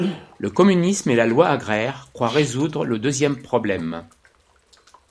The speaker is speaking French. Le communisme et la loi agraire croient résoudre le deuxième problème.